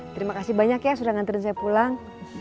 terima kasih banyak ya sudah nanti dan saya pulang